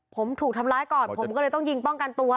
ผมถูกทำร้ายก่อนผมก็เลยต้องยิงป้องกันตัว